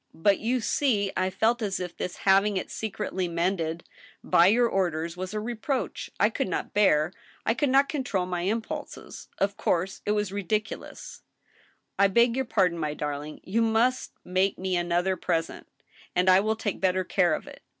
But you see I felt as if this hav ing it secretly mended, by your orders, was a reproach I could not bear. I could not control my impulses. Of course, it was ridiculous. 1 68 THE STEEL HAMMER, I beg your pardon, my darling. You must make me another pres ent, and I will take better care of it.